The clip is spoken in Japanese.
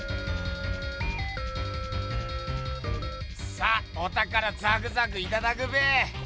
さあおたからザクザクいただくべ！